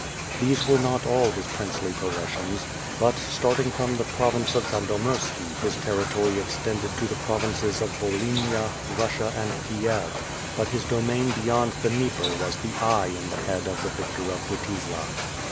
These were not all his princely possessions, but, starting from the province of San Domirski his territory ex tended to the provinces of Volhynia, Russia, and Kiev; but his domain beyond the Dnieper was the eye in the head of the victor of Puty^'la.